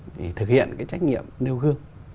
thì thực hiện cái trách nhiệm nêu gương